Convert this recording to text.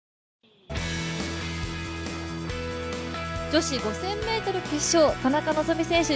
女子５０００ｍ決勝田中希実選手